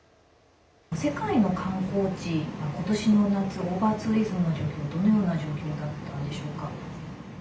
世界の観光地、今年の夏オーバーツーリズムの状況はどのような状況だったんでしょうか。